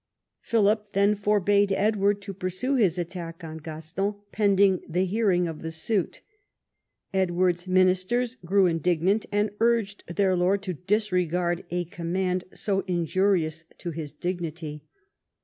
Philip then forbade Edward to pursue his attack on Gaston pending the hearing of the suit. Edward's ministers grew indig nant, and urged their lord to disregard a command so injurious to his dignity.